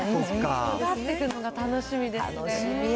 育ってくのが楽しみですね。